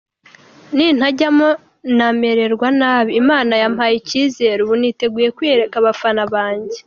Nintajyamo namererwa nabi, Imana yampaye icyizere ubu niteguye kwiyereka abafana banjye”.